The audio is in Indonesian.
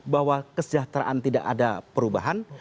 bahwa kesejahteraan tidak ada perubahan